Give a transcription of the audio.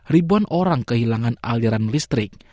ribuan orang kehilangan aliran listrik